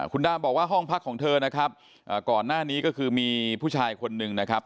คุณดามบอกว่าห้องพักของเธอนะครับก่อนหน้านี้ก็คือมีผู้ชายคนหนึ่งนะครับ